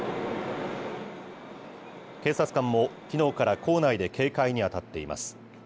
警察官もきのうから構内で警戒に当たっています。